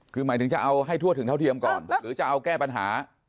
คือหมายถึงจะเอาให้ทั่วถึงเท่าเทียมก่อนหรือจะเอาแก้ปัญหา